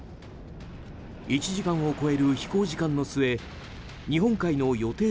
１時間を超える飛行時間の末日本海の予定